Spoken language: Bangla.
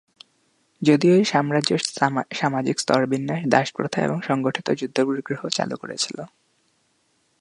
যদিও এই সাম্রাজ্য সামাজিক স্তর বিন্যাস, দাসপ্রথা এবং সংগঠিত যুদ্ধবিগ্রহ চালু করে ছিল।